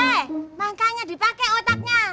eh makanya dipakai otaknya